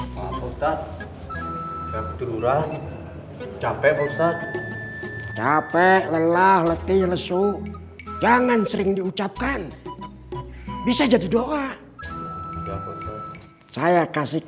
apa apa tak terlurah capek capek lelah letih lesu jangan sering diucapkan bisa jadi doa saya kasih